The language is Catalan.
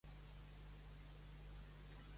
Té una llargària de Déu, aquest carrer.